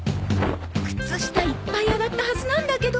靴下いっぱい洗ったはずなんだけど。